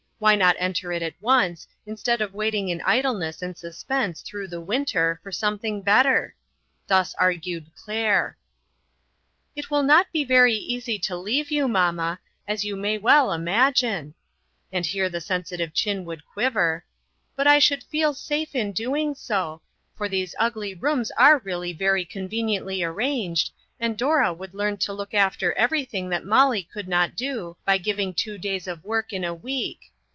Why not enter it at once, instead of waiting in idleness and suspense through the winter for something better? Thus argued Claire: "It will not be very easy to leave you, mamma, as you may well imagine," and here the sensitive chin would quiver, "but I should feel safe in doing so, for these ugly rooms are really very con veniently arranged, and Dora would learn to look after everything that Molly could not do by giving two days of work in a week.